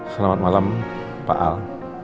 selamat malam pak al